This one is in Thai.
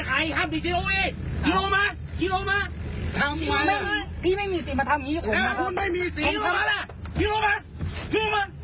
อ้าวให้คุณไม่มีสิทธิ์